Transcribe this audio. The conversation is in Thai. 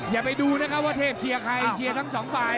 อย่าไปดูนะครับว่าเทพเชียร์ใครเชียร์ทั้งสองฝ่าย